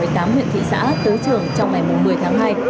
đám huyện thị xã tối trường trong ngày một mươi tháng hai